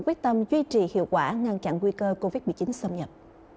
quyết tâm duy trì hiệu quả ngăn chặn nguy cơ covid một mươi chín xâm nhập